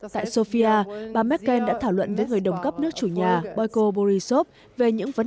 tại sofia bà merkel đã thảo luận với người đồng cấp nước chủ nhà bajko borisov